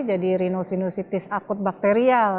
jadi rhinosinusitis akut bakterial